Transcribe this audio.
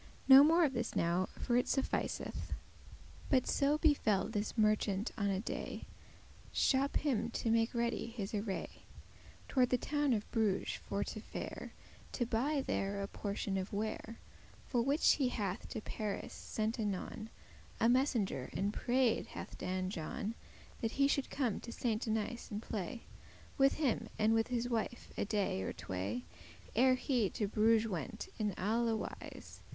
No more of this as now, for it sufficeth. But so befell, this merchant on a day Shope* him to make ready his array *resolved, arranged Toward the town of Bruges <4> for to fare, To buye there a portion of ware;* *merchandise For which he hath to Paris sent anon A messenger, and prayed hath Dan John That he should come to Saint Denis, and play* *enjoy himself With him, and with his wife, a day or tway, Ere he to Bruges went, in alle wise.